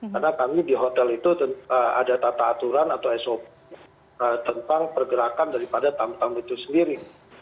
karena kami di hotel itu ada tata aturan atau sop tentang pergerakan daripada tamu tamu itu sendiri